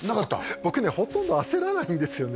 僕ねほとんど焦らないんですよね